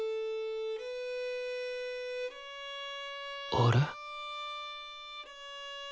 あれ？